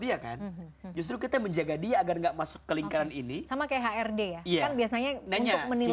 dia kan justru kita menjaga dia agar enggak masuk ke lingkaran ini sama kayak hrd ya kan biasanya banyak menilai